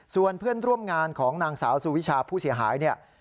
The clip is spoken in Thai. ส่วนเพื่อนร่วมงานของนางสาวสุวิชาผู้เสียหายเนี่ย